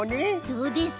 どうです？